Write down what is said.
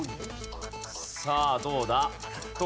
さあどうだ？